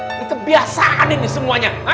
itu kebiasaan ini semuanya